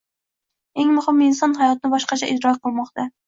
Eng muhimi, inson hayotni boshqacha idrok qilmoqda.